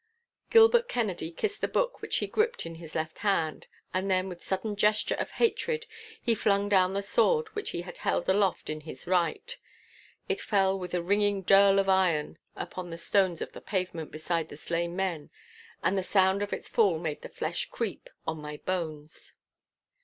Gilbert Kennedy kissed the book which he gripped in his left hand, and then with sudden gesture of hatred he flung down the sword which he had held aloft in his right. It fell with a ringing dirl of iron upon the stones of the pavement beside the slain men, and the sound of its fall made the flesh creep on my bones.